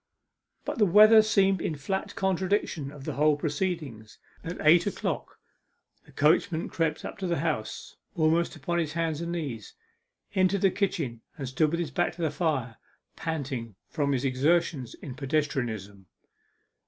But the weather seemed in flat contradiction of the whole proceeding. At eight o'clock the coachman crept up to the House almost upon his hands and knees, entered the kitchen, and stood with his back to the fire, panting from his exertions in pedestrianism.